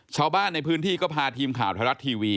ชาวบ้านในพื้นที่ก็พาทีมข่าวไทยรัฐทีวี